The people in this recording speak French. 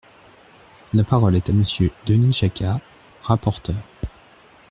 La parole est à Monsieur Denis Jacquat, rapporteur.